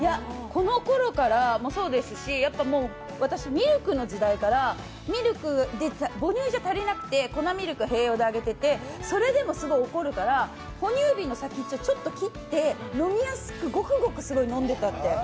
このころからそうですし、私、ミルクの時代から、母乳じゃ足りなくて、粉ミルク併用であげててそれでもすごい怒るから哺乳瓶の先っちょちょっと切って飲みやすくしてゴクゴクそれを飲んでたって。